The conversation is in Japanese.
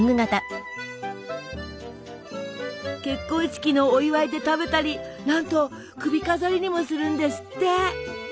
結婚式のお祝いで食べたりなんと首飾りにもするんですって！